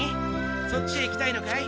そっちへ行きたいのかい？